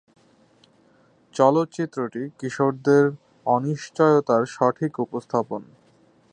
চলচ্চিত্রটি কিশোরদের অনিশ্চয়তার সঠিক উপস্থাপন।